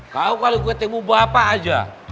kau kalau ketemu bapak aja